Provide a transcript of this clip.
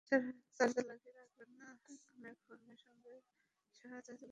সারা রাত চার্জার লাগিয়ে রাখবেন নাঅনেকেই ফোনের সঙ্গে সারা রাত চার্জার লাগিয়ে রাখেন।